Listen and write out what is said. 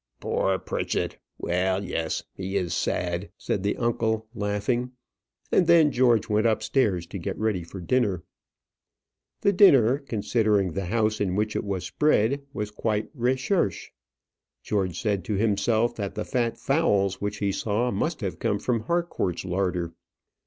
"Poor Pritchett! well; yes, he is sad," said the uncle, laughing; and then George went upstairs to get ready for dinner. The dinner, considering the house in which it was spread, was quite recherché. George said to himself that the fat fowls which he saw must have come from Harcourt's larder.